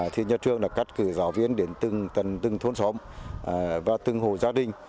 thì nhà trường đã cắt cử giáo viên đến từng tầng từng thôn xóm và từng hồ gia đình